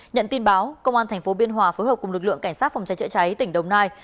nhận tin báo công an tp biên hòa phối hợp cùng lực lượng cảnh sát phòng cháy chữa cháy tỉnh đồng nai